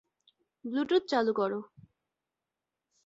Bluetooth চালু করো।